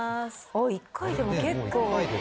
あっ１回でも結構。